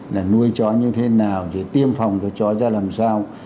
là nuôi chó như thế nào để tiêm phòng cho chó ra làm sao